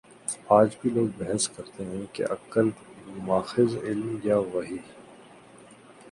آج بھی لوگ بحث کرتے ہیں کہ عقل ماخذ علم یا وحی؟